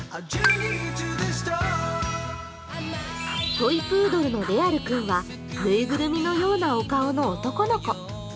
トイプードルのれある君はぬいぐるみのようなお顔の男の子。